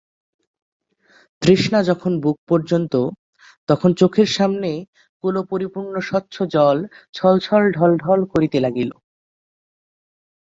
তৃষ্ণা যখন বুক পর্যন্ত তখন চোখের সামনে কূলপরিপূর্ণ স্বচ্ছ জল ছলছল ঢলঢল করিতে লাগিল।